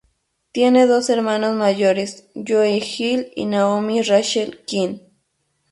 Tiene dos hermanos mayores, Joe Hill y Naomi Rachel King.